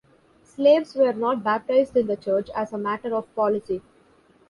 Slaves were not baptized in the church as a matter of policy.